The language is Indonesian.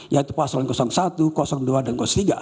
yaitu paslon satu dua dan tiga